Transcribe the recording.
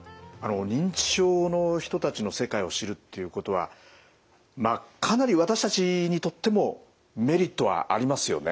認知症の人たちの世界を知るっていうことはまあかなり私たちにとってもメリットはありますよね？